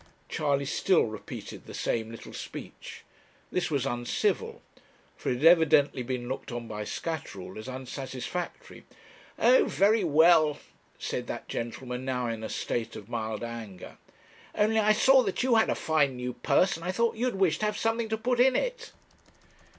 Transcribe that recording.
Charley still repeated the same little speech. This was uncivil; for it had evidently been looked on by Scatterall as unsatisfactory. 'Oh, very well,' said that gentleman, now in a state of mild anger 'only I saw that you had a fine new purse, and I thought you'd wish to have something to put in it.'